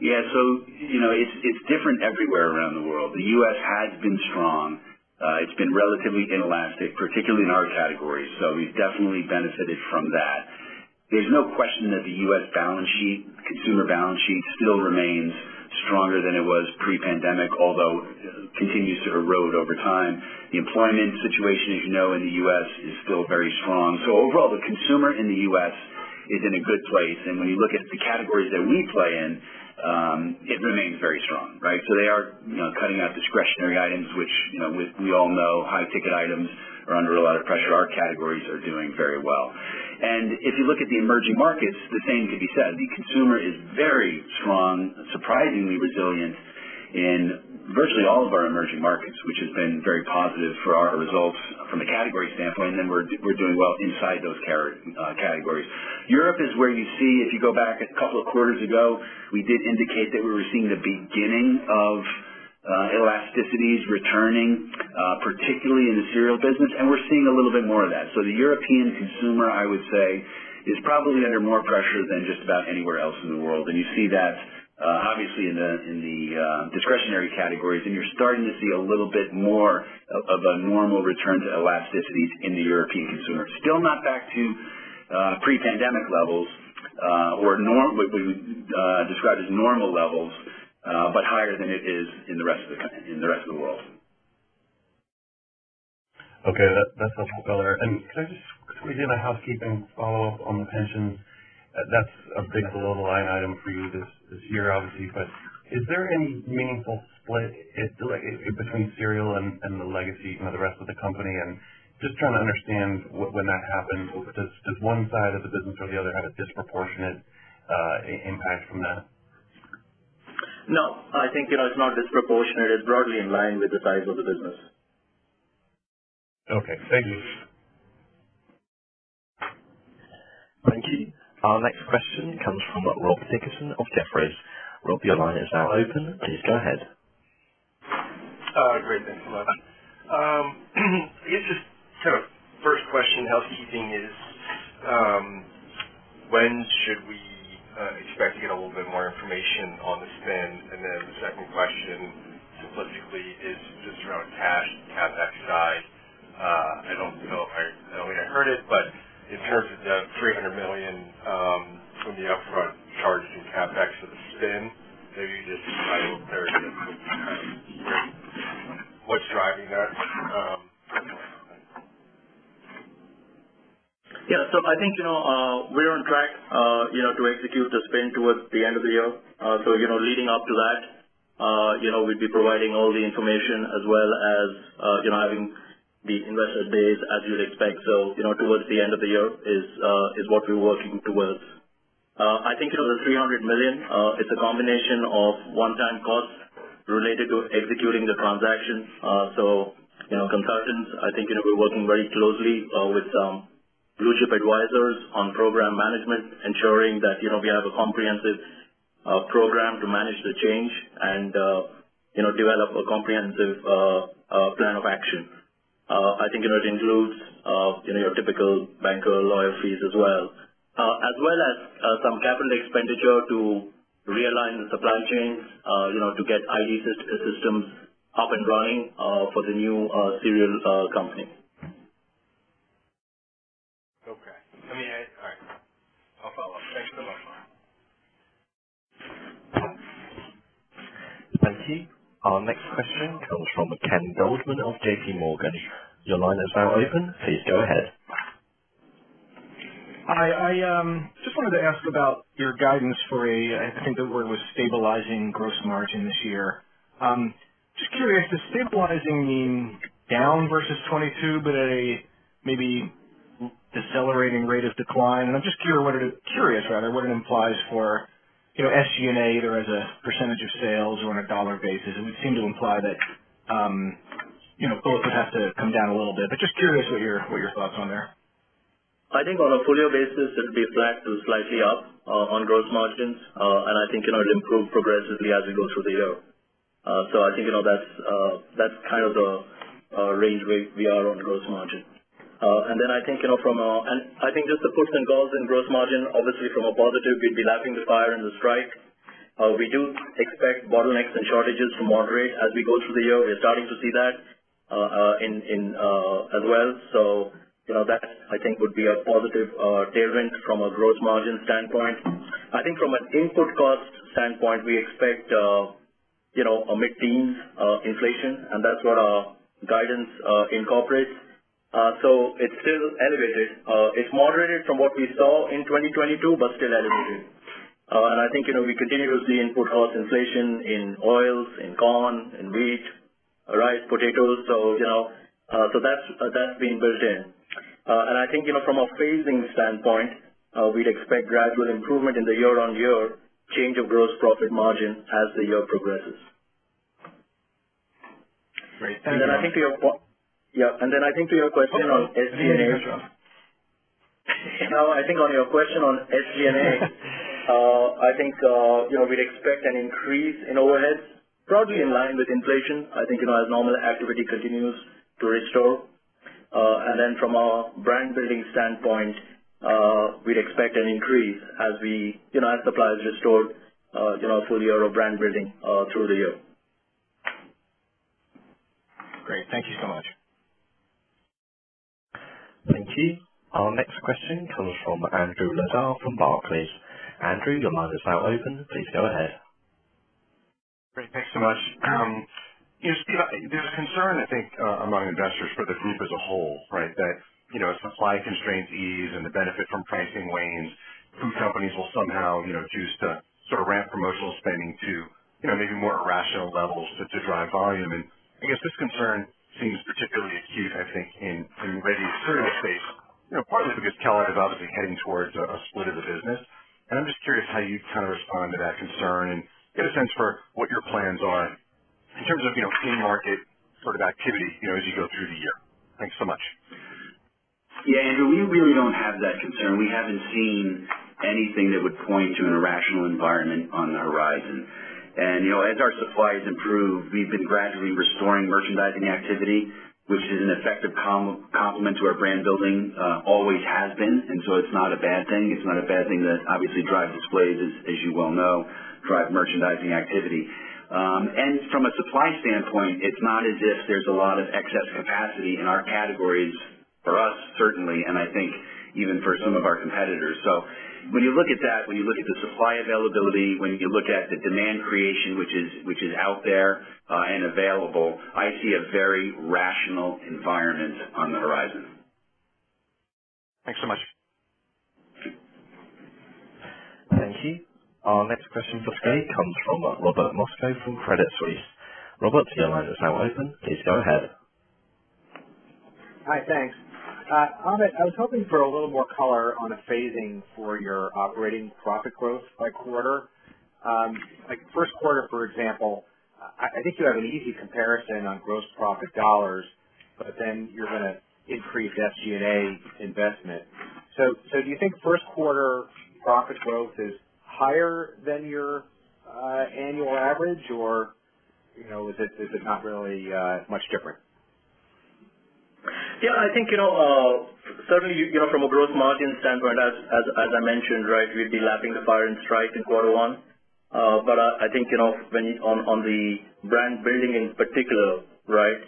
Yeah. You know, it's different everywhere around the world. The U.S. has been strong. It's been relatively inelastic, particularly in our categories, so we've definitely benefited from that. There's no question that the U.S. balance sheet, consumer balance sheet still remains stronger than it was pre-pandemic, although continues to erode over time. The employment situation, as you know, in the U.S. is still very strong. Overall, the consumer in the U.S. is in a good place. When you look at the categories that we play in, it remains very strong, right? They are, you know, cutting out discretionary items, which, you know, we all know high ticket items are under a lot of pressure. Our categories are doing very well. If you look at the emerging markets, the same could be said. The consumer is very strong, surprisingly resilient in virtually all of our emerging markets, which has been very positive for our results from a category standpoint and then we're doing well inside those categories. Europe is where you see, if you go back a couple of quarters ago, we did indicate that we were seeing the beginning of elasticities returning, particularly in the cereal business, and we're seeing a little bit more of that. The European consumer, I would say, is probably under more pressure than just about anywhere else in the world. You see that, obviously in the discretionary categories. You're starting to see a little bit more of a normal return to elasticities in the European consumer. Still not back to pre-pandemic levels, or what we would describe as normal levels, but higher than it is in the rest of the world. Okay. That's helpful color. Can I just quickly do a housekeeping follow-up on the pension? That's a big below-the-line item for you this year, obviously, but is there any meaningful split in between cereal and the legacy, you know, the rest of the company? Just trying to understand when that happens, does one side of the business or the other have a disproportionate impact from that? No, I think, you know, it's not disproportionate. It's broadly in line with the size of the business. Okay, thank you. Thank you. Our next question comes from Rob Dickerson of Jefferies. Rob, your line is now open. Please go ahead. Great. Thanks a lot. I guess just sort of first question housekeeping is, when should we expect to get a little bit more information on the spin? The second question, simplistically, is just around cash CapEx side. I don't know if I don't think I heard it, but in terms of the $300 million from the upfront charge in CapEx for the spin, maybe you just provide a little clarity on that. Yeah. I think, you know, we're on track, you know, to execute the spin towards the end of the year. You know, leading up to that, you know, we'd be providing all the information as well as, you know, having the Investor Days as you'd expect. You know, towards the end of the year is what we're working towards. I think it was a $300 million. It's a combination of one-time costs related to executing the transaction. You know, consultants, I think, you know, we're working very closely with Blue Chip Advisors on program management, ensuring that, you know, we have a comprehensive program to manage the change and, you know, develop a comprehensive plan of action. I think, you know, it includes, you know, your typical banker lawyer fees as well. As well as, some capital expenditure to realign the supply chains, you know, to get IT systems up and running, for the new cereal company. Okay. Let me ask. All right. I'll follow. Thanks so much. Thank you. Our next question comes from Ken Goldman of JP Morgan. Your line is now open. Please go ahead. Hi. I just wanted to ask about your guidance for a, I think the word was stabilizing gross margin this year. Just curious, does stabilizing mean down versus 2022, but a maybe decelerating rate of decline? I'm just curious rather what it implies for, you know, SG&A either as a % of sales or on a $ basis. It seemed to imply that, you know, both would have to come down a little bit. Just curious what your thoughts on there. I think on a full year basis it'll be flat to slightly up on gross margins. I think, you know, it improved progressively as we go through the year. I think, you know, that's kind of the range where we are on gross margin. I think, you know, just the puts and goals in gross margin, obviously from a positive, we'd be lapping the fire and the strike. We do expect bottlenecks and shortages to moderate as we go through the year. We're starting to see that in as well. You know, that, I think would be a positive tailwind from a gross margin standpoint. I think from an input cost standpoint, we expect, you know, a mid-teens inflation. That's what our guidance incorporates. It's still elevated. It's moderated from what we saw in 2022, but still elevated. I think, you know, we continue to see input cost inflation in oils, in corn, in wheat, rice, potatoes. You know, so that's been built in. I think, you know, from a phasing standpoint, we'd expect gradual improvement in the year-on-year change of gross profit margin as the year progresses. Great. Thank you. Then I think to your question on SG&A, I think, you know, we'd expect an increase in overheads broadly in line with inflation. Then from a brand building standpoint, we'd expect an increase as we, you know, as supply is restored, you know, full year of brand building through the year. Great. Thank you so much. Thank you. Our next question comes from Andrew Lazar from Barclays. Andrew, your line is now open. Please go ahead. Great. Thanks so much. You know, Steve, there's a concern, I think, among investors for the group as a whole, right? That, you know, as supply constraints ease and the benefit from pricing wanes, food companies will somehow, you know, choose to sort of ramp promotional spending to, you know, maybe more irrational levels to drive volume. I guess this concern seems particularly acute, I think, in ready cereal space, you know, partly because Kellogg is obviously heading towards a split of the business. I'm just curious how you kind of respond to that concern and get a sense for what your plans are in terms of, you know, in-market sort of activity, you know, as you go through the year. Thanks so much. Yeah. We really don't have that concern. We haven't seen anything that would point to an irrational environment on the horizon. You know, as our supplies improve, we've been gradually restoring merchandising activity, which is an effective complement to our brand building, always has been. It's not a bad thing. It's not a bad thing that obviously drive displays, as you well know, drive merchandising activity. From a supply standpoint, it's not as if there's a lot of excess capacity in our categories for us, certainly, and I think even for some of our competitors. When you look at that, when you look at the supply availability, when you look at the demand creation, which is out there and available, I see a very rational environment on the horizon. Thanks so much. Thank you. Our next question comes from Robert Moskow from Credit Suisse. Robert, your line is now open. Please go ahead. Hi, thanks. Amit, I was hoping for a little more color on the phasing for your operating profit growth by quarter. Like Q1, for example, I think you have an easy comparison on gross profit dollars, but then you're gonna increase SG&A investment. Do you think Q1 profit growth is higher than your annual average? You know, is it not really much different? Yeah, I think, you know, certainly, you know, from a gross margin standpoint, as I mentioned, right, we'd be lapping the fire and strike in quarter one. I think, you know, when on the brand building in particular, right?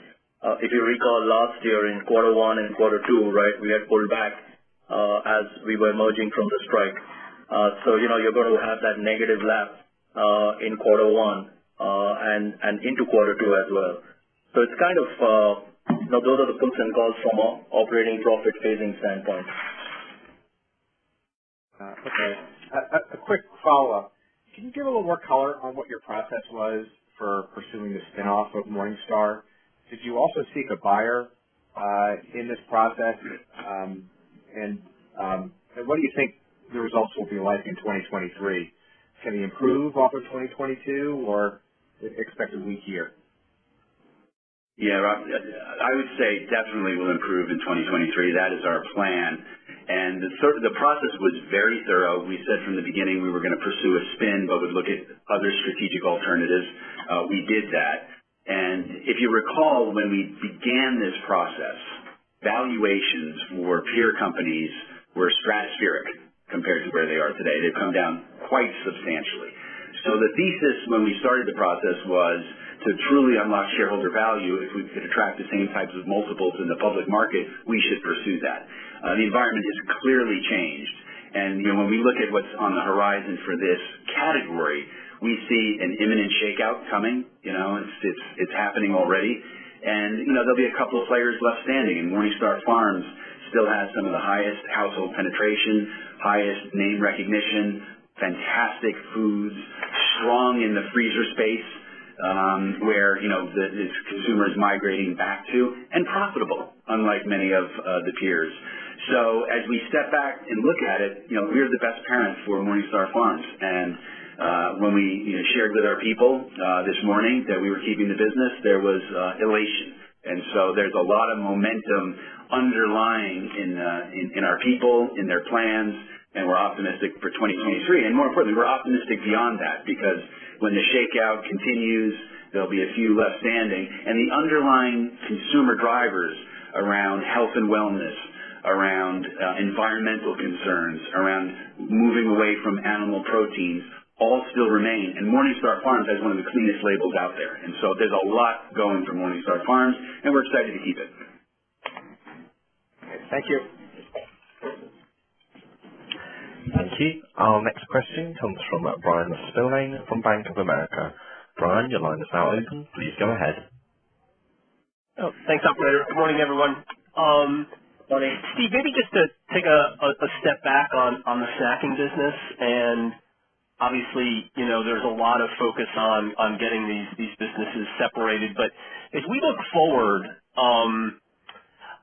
If you recall last year in quarter one and quarter two, right, we had pulled back as we were emerging from the strike. you know you're gonna have that negative lapse in quarter one and into quarter two as well. It's kind of, you know, those are the bumps and goals from a operating profit phasing standpoint. Okay. A quick follow-up. Can you give a little more color on what your process was for pursuing the spin-off of MorningStar Farms? Did you also seek a buyer in this process? What do you think the results will be like in 2023? Can you improve off of 2022 or expect a weak year? Yeah, Rob, I would say definitely we'll improve in 2023. That is our plan. The process was very thorough. We said from the beginning we were gonna pursue a spin, but we'd look at other strategic alternatives. We did that. If you recall, when we began this process, valuations for peer companies were stratospheric compared to where they are today. They've come down quite substantially. The thesis when we started the process was to truly unlock shareholder value, if we could attract the same types of multiples in the public market, we should pursue that. The environment has clearly changed. You know, when we look at what's on the horizon for this category, we see an imminent shakeout coming. You know, it's happening already. You know, there'll be a couple of players left standing. MorningStar Farms still has some of the highest household penetration, highest name recognition, fantastic foods, strong in the freezer space, where, you know, it's consumers migrating back to, and profitable, unlike many of the peers. As we step back and look at it, you know, we are the best parents for MorningStar Farms. When we, you know, shared with our people this morning that we were keeping the business, there was elation. There's a lot of momentum underlying in our people, in their plans, and we're optimistic for 2023. More importantly, we're optimistic beyond that because when the shakeout continues, there'll be a few left standing. The underlying consumer drivers around health and wellness, around environmental concerns, around moving away from animal proteins all still remain. MorningStar Farms has one of the cleanest labels out there. There's a lot going for MorningStar Farms, and we're excited to keep it. Thank you. Thank you. Our next question comes from Bryan Spillane from Bank of America. Bryan, your line is now open. Please go ahead. Oh, thanks, operator. Good morning, everyone. Morning. Steve, maybe just to take a step back on the snacking business. Obviously, you know, there's a lot of focus on getting these businesses separated. If we look forward,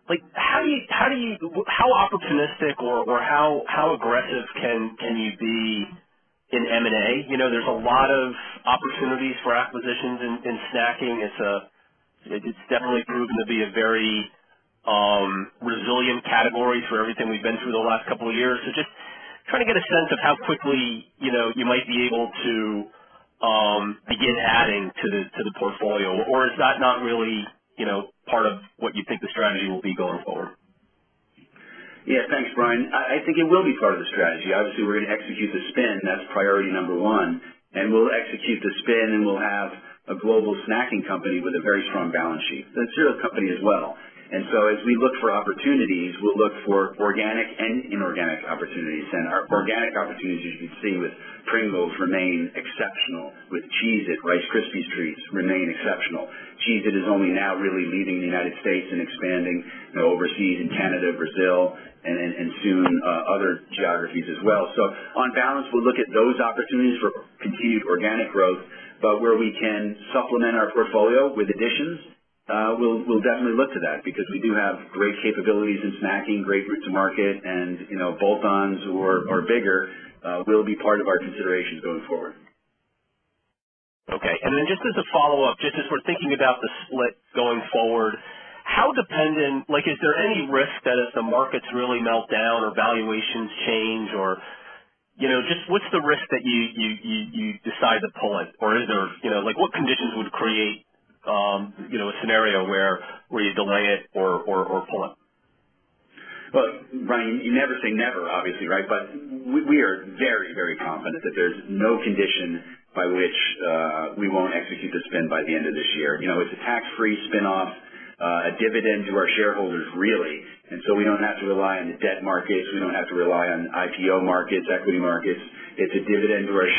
like, how do you, how opportunistic or, how aggressive can you be in M&A? You know, there's a lot of opportunities for acquisitions in snacking. It's definitely proven to be a very resilient category for everything we've been through the last couple of years. Just trying to get a sense of how quickly, you know, you might be able to begin adding to the, to the portfolio. Is that not really, you know, part of what you think the strategy will be going forward? Yeah. Thanks, Bryan. I think it will be part of the strategy. Obviously, we're gonna execute the spin. That's priority number one. We'll execute the spin, and we'll have a global snacking company with a very strong balance sheet. It's a real company as well. As we look for opportunities, we'll look for organic and inorganic opportunities. Our organic opportunities, you can see with Pringles remain exceptional, with Cheez-It, Rice Krispies Treats remain exceptional. Cheez-It is only now really leaving the United States and expanding, you know, overseas in Canada, Brazil, and then, and soon, other geographies as well. On balance, we'll look at those opportunities for continued organic growth. Where we can supplement our portfolio with additions, we'll definitely look to that because we do have great capabilities in snacking, great route to market, and, you know, bolt-ons who are bigger, will be part of our considerations going forward. Okay. Then just as a follow-up, just as we're thinking about the split going forward, like, is there any risk that if the markets really melt down or valuations change or... You know, just what's the risk that you decide to pull it? Is there... You know, like, what conditions would create, you know, a scenario where you delay it or pull it? Look, Bryan, you never say never, obviously, right? We are very, very confident that there's no condition by which we won't execute the spin by the end of this year. You know, it's a tax-free spinoff, a dividend to our shareholders, really. We don't have to rely on the debt markets. We don't have to rely on IPO markets, equity markets. It's a dividend to our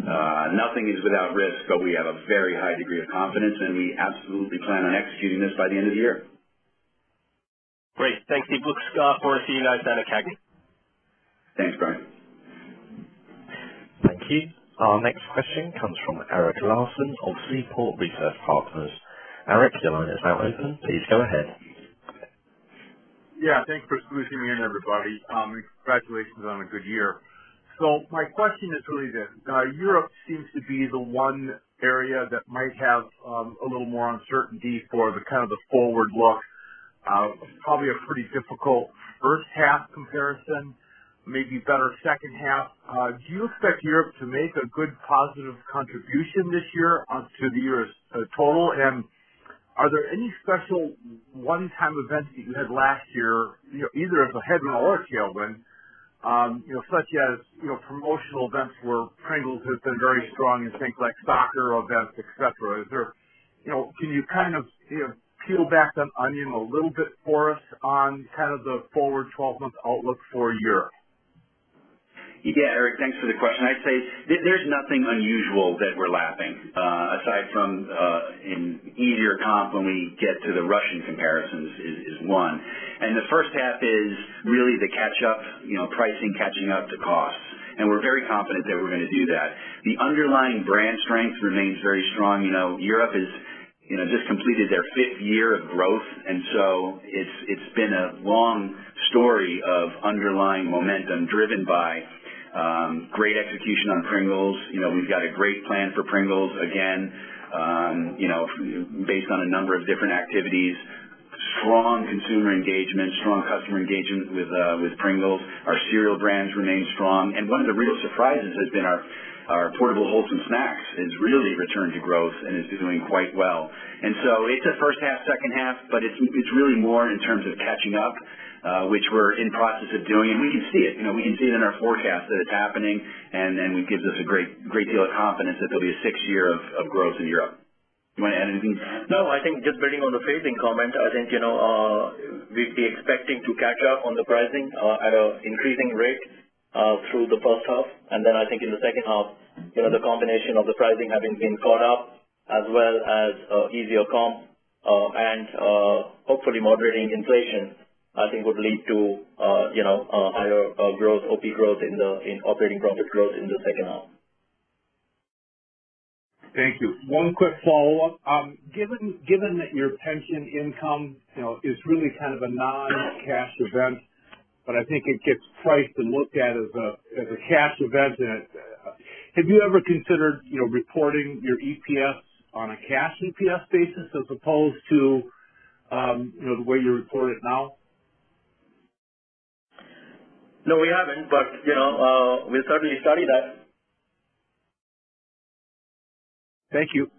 shareowners, and nothing is without risk, but we have a very high degree of confidence, and we absolutely plan on executing this by the end of the year. Great. Thanks, Steve. Look, forward to see you guys at a CAGNY. Thanks, Bryan. Thank you. Our next question comes from Eric Larson of Seaport Research Partners. Eric, your line is now open. Please go ahead. Yeah, thanks for squeezing me in, everybody. Congratulations on a good year. My question is really this. Europe seems to be the one area that might have a little more uncertainty for the kind of the forward look. Probably a pretty difficult first half comparison, maybe better second half. Do you expect Europe to make a good positive contribution this year on to the year's total? Are there any special one-time events that you had last year, you know, either as a headwind or a tailwind, you know, such as, you know, promotional events where Pringles has been very strong in things like soccer events, et cetera? You know, can you kind of, you know, peel back that onion a little bit for us on kind of the forward 12-month outlook for Europe? Yeah, Eric, thanks for the question. I'd say there's nothing unusual that we're lapping, aside from an easier comp when we get to the Russian comparisons is 1. The first half is really the catch up, you know, pricing catching up to costs. We're very confident that we're gonna do that. The underlying brand strength remains very strong. You know, Europe is, you know, just completed their fifth year of growth. It's been a long story of underlying momentum driven by great execution on Pringles. You know, we've got a great plan for Pringles again, you know, based on a number of different activities. Strong consumer engagement, strong customer engagement with Pringles. Our cereal brands remain strong. One of the real surprises has been our portable wholesome snacks has really returned to growth and is doing quite well. It's a first half, second half, but it's really more in terms of catching up, which we're in process of doing. We can see it, you know, we can see it in our forecast that it's happening and it gives us a great deal of confidence that there'll be a six year of growth in Europe. You want to add anything? No, I think just building on the phasing comment, I think, you know, we'd be expecting to catch up on the pricing at an increasing rate through the first half. I think in the second half, you know, the combination of the pricing having been caught up as well as easier comp and hopefully moderating inflation, I think would lead to, you know, higher growth, OP growth in operating profit growth in the second half. Thank you. One quick follow-up. Given that your pension income, you know, is really kind of a non-cash event, but I think it gets priced and looked at as a cash event that, have you ever considered, you know, reporting your EPS on a cash EPS basis as opposed to, you know, the way you report it now? No, we haven't. you know, we certainly study that. Thank you.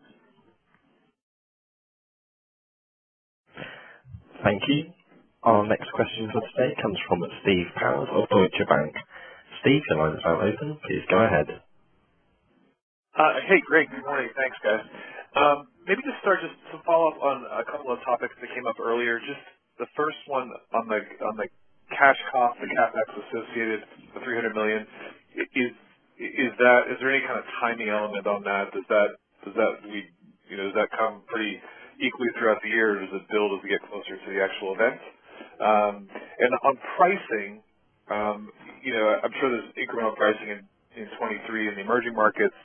Thank you. Our next question for today comes from Steve Powers of Deutsche Bank. Steve, your line is now open. Please go ahead. Hey, great. Good morning. Thanks, guys. Maybe just start, just to follow up on a couple of topics that came up earlier. Just the first one on the cash cost, the CapEx associated, the $300 million. Is there any kind of timing element on that? Does that need, you know, does that come pretty equally throughout the year, or does it build as we get closer to the actual event? On pricing, you know, I'm sure there's incremental pricing in 2023 in the emerging markets.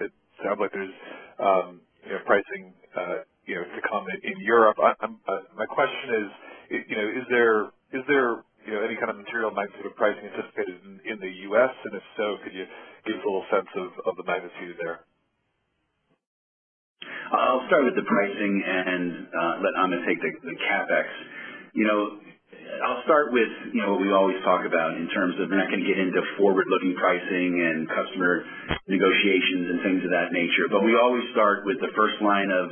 It sounds like there's, you know, pricing, you know, to come in Europe. My question is, you know, is there, you know, any kind of material magnitude of pricing anticipated in the U.S.? If so, could you give us a little sense of the magnitude there? I'll start with the pricing and let Amit take the CapEx. You know, I'll start with, you know, what we always talk about in terms of, and I can get into forward-looking pricing and customer negotiations and things of that nature. We always start with the first line of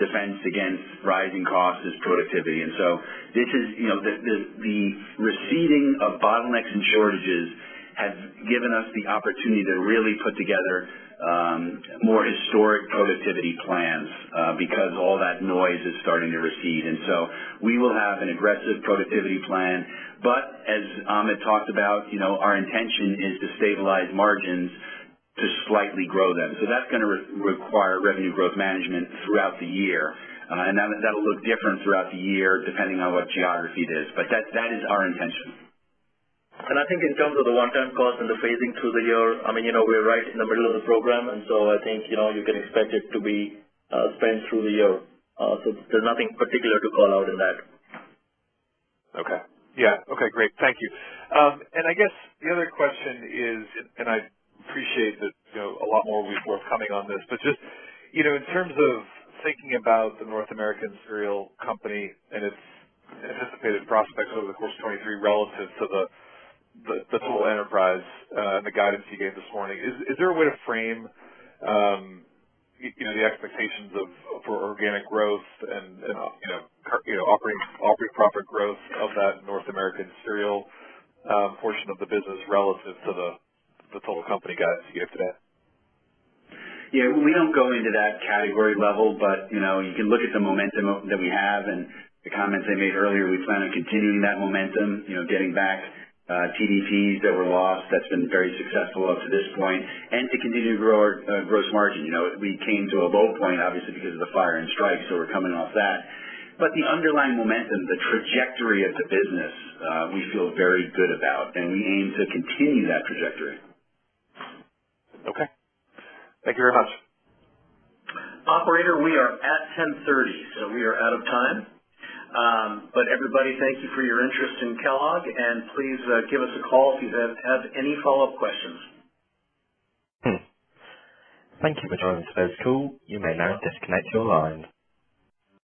defense against rising costs is productivity. This is, you know, the receding of bottlenecks and shortages has given us the opportunity to really put together more historic productivity plans because all that noise is starting to recede. We will have an aggressive productivity plan. As Amit talked about, you know, our intention is to stabilize margins, to slightly grow them. That's gonna re-require revenue growth management throughout the year. That, that'll look different throughout the year, depending on what geography it is. That is our intention. I think in terms of the one-time cost and the phasing through the year, I mean, you know, we're right in the middle of the program, I think, you know, you can expect it to be spent through the year. There's nothing particular to call out in that. Okay. Yeah. Okay, great. Thank you. I guess the other question is, and I appreciate that, you know, a lot more will be forthcoming on this, but just, you know, in terms of thinking about the North American Cereal Company and its anticipated prospects over the course of 2023 relative to the total enterprise and the guidance you gave this morning, is there a way to frame, you know, the expectations of, for organic growth and, you know, operating profit growth of that North American Cereal portion of the business relative to the total company guidance you gave today? Yeah, we don't go into that category level, but, you know, you can look at the momentum that we have and the comments I made earlier. We plan on continuing that momentum, you know, getting back TDPs that were lost. That's been very successful up to this point. To continue to grow our gross margin. You know, we came to a low point obviously because of the fire and strike, so we're coming off that. The underlying momentum, the trajectory of the business, we feel very good about, and we aim to continue that trajectory. Okay. Thank you very much. Operator, we are at 10:30 A.M. We are out of time. Everybody, thank you for your interest in Kellogg. Please give us a call if you have any follow-up questions. Thank you for joining today's call. You may now disconnect your line.